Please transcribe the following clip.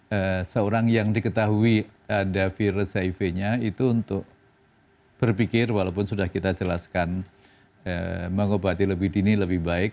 jadi seorang yang diketahui ada virus hiv nya itu untuk berpikir walaupun sudah kita jelaskan mengobati lebih dini lebih baik